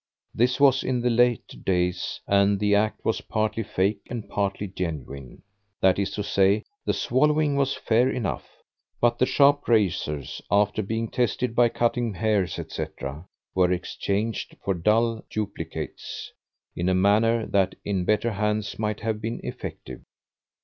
This was in the later days, and the act was partly fake and partly genuine. That is to say, the swallowing was fair enough, but the sharp razors, after being tested by cutting hairs, etc., were exchanged for dull duplicates, in a manner that, in better hands, might have been effective.